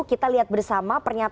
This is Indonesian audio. kita lihat bersama pernyataan